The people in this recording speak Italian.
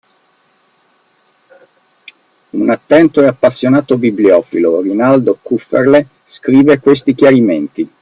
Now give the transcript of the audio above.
Un attento e appassionato bibliofilo, Rinaldo Kufferle, scrive questi chiarimenti.